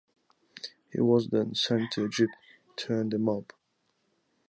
He was then sent to Egypt to end a mob.